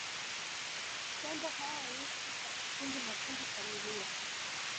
Tembo hawa huishi kwa makundi makundi familia